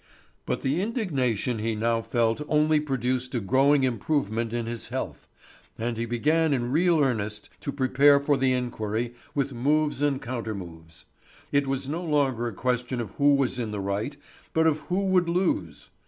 But the indignation he now felt only produced a growing improvement in his health, and he began in real earnest to prepare for the inquiry with moves and counter moves. It was no longer a question of who was in the right, but of who would lose.